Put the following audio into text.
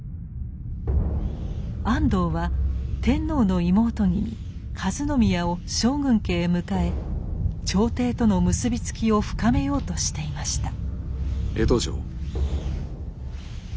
安藤は天皇の妹君和宮を将軍家へ迎え朝廷との結び付きを深めようとしていました。